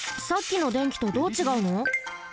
さっきの電気とどうちがうの？